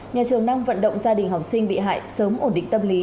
nhà trường đang vận động gia đình học sinh bị hại sớm ổn định tâm lý